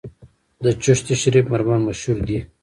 د چشت شریف مرمر مشهور دي